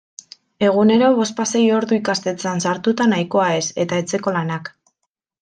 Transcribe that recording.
Egunero bospasei ordu ikastetxean sartuta nahikoa ez eta etxeko lanak.